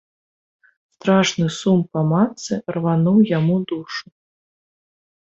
Страшны сум па матцы рвануў яму душу.